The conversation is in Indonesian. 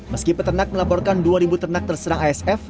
meski peternak melaporkan dua ribu ternak terserang asf